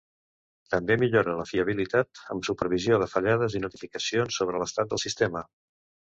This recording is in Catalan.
També millora la fiabilitat amb supervisió de fallades i notificacions sobre l"estat del sistema.